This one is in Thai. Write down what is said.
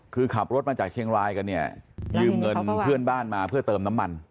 คือขับรถมาจากเชียงรายกันเนี่ยยืมเงินเพื่อนบ้านมาเพื่อเติมน้ำมัน